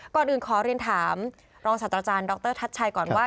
ก่อนอื่นขอเรียนถามรองศาสตราจารย์ดรทัชชัยก่อนว่า